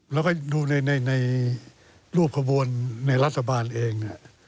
แล้วก็ดูในรูปขบวนในรัฐบาลเอง